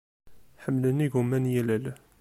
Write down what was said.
Ḥemmlen igumma n yilel.